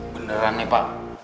beneran nih pak